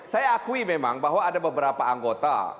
saya akui memang bahwa ada beberapa anggota